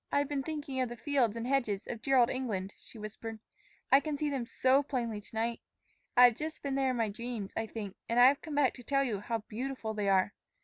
"I've been thinking of the fields and hedges of dear old England," she whispered. "I can see them so plainly to night. I have just been there in my dreams, I think; and I have come back to tell you how beautiful they are.